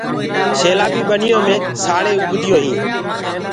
سيلآ بي ٻنيو مي سآݪينٚ اُگديونٚ هين۔